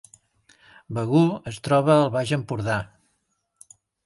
Begur es troba al Baix Empordà